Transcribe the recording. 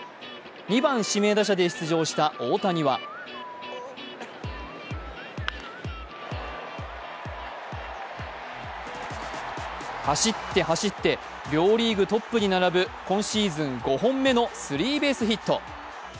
２番・指名打者で出場した大谷は走って走って両リーグトップに並ぶ今シーズン５本目のスリーベースヒット。